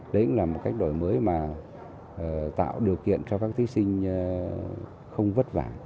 đấy cũng là một cách đổi mới mà tạo điều kiện cho các thí sinh không vất vả